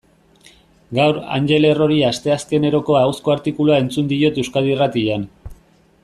Gaur Angel Errori asteazkeneroko ahozko artikulua entzun diot Euskadi Irratian.